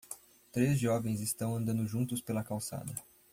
Três jovens estão andando juntos pela calçada.